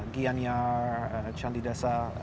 giyan yar chandidesa